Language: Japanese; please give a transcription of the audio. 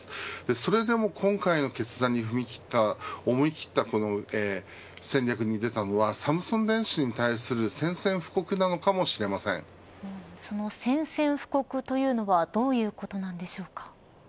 それでも今回の決断に踏み切った、思い切った戦略に出たのはサムスン電子に対するその宣戦布告とはどういうことなんでしょうか。